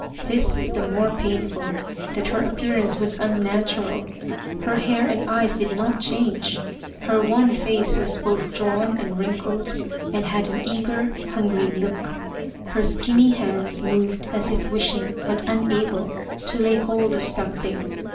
This was the more painful that her appearance was unnatural; for her hair and eyes did not change. Her wan face was both drawn and wrinkled, and had an eager hungry look. Her skinny hands moved as if wishing, but unable, to lay hold of something.